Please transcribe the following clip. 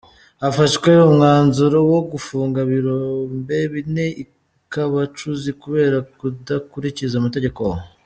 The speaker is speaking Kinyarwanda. Hafashwe umwanzuro wo gufunga ibirombe bine i Kabacuzi kubera kudakurikiza amategeko.